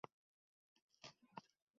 Bu kunning og`irligi bilinmadi